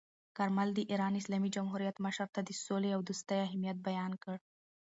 کارمل د ایران اسلامي جمهوریت مشر ته د سولې او دوستۍ اهمیت بیان کړ.